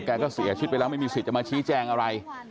ก็เสียชีวิตไปแล้วไม่มีสิทธิ์จะมาชี้แจงอะไร